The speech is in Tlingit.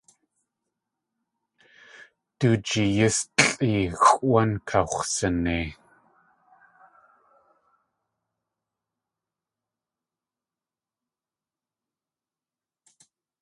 Du jeeyís lʼée xʼwán kax̲wsinei.